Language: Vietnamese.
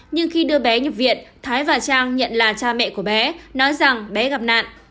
nhưng khi đưa bé nhập viện thái và trang nhận là cha mẹ của bé nói rằng bé gặp nạn